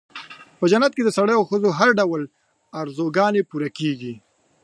په جنت کې د سړیو او ښځو هر ډول آرزوګانې پوره کېږي.